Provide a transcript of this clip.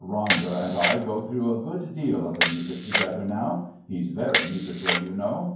"Ronder and I go through a good deal of the music together now. He's very musical, you know.